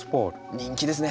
人気ですね。